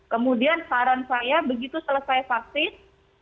kemudian saran saya begitu selesai vaksin